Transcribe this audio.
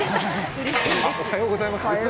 おはようございます。